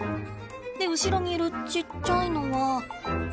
で後ろにいるちっちゃいのは。